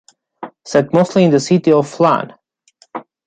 Set mostly in the city of Phlan.